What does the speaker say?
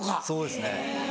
そうですね。